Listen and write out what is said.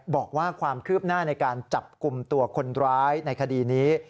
บอกว่าความคืบหน้าในการจับกลุ่มตัวคนร้ายในคดีนี้